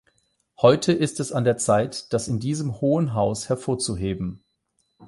Heute ist es an der Zeit, das in diesem Hohen Haus hervorzuheben.